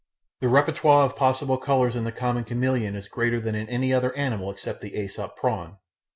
The repertory of possible colours in the common chameleon is greater than in any other animal except the Æsop prawn.